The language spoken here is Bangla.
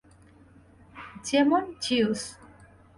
যেমন, জিউস।